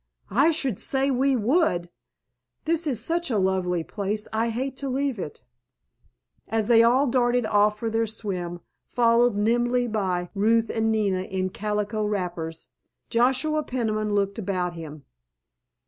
"I should say we would! This is such a lovely place I hate to leave it." As they all darted off for their swim, followed nimbly by Ruth and Nina in calico wrappers, Joshua Peniman looked about him.